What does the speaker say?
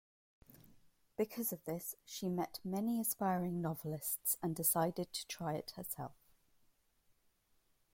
Because of this, she met many aspiring novelists and decided to try it herself.